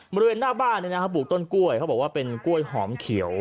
บริเวณหน้าบ้านปลูกต้นกล้วยเขาบอกว่าเป็นกล้วยหอมเขียว